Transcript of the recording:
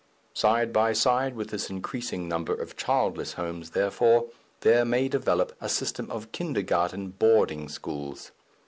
Side by side with this increasing number of childless homes, therefore, there may develop a system of Kindergarten boarding schools.